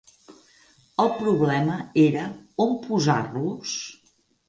El problema era, on posar-los?